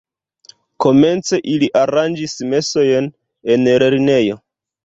Komence ili aranĝis mesojn en lernejo.